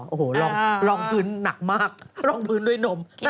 โอ้โหลองพื้นหนักมากรองพื้นด้วยนม